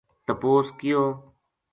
تپوس کیو